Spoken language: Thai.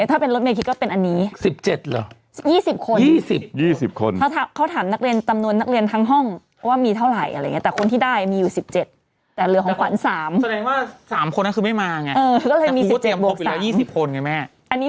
อืมอย่างนี้ถ้าเป็นลดเมฆก็เป็นอันนี้